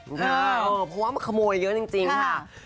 เพราะว่ามันขโมยเยอะจริงค่ะ